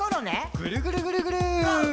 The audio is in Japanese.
ぐるぐるぐるぐる。